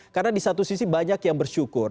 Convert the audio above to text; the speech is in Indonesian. karena di satu sisi banyak yang bersyukur